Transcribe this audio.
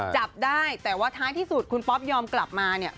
จับได้แต่ว่าท้ายที่สุดคุณป๊อปยอมกลับมาเนี่ย